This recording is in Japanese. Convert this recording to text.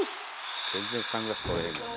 全然サングラス取れへんよね。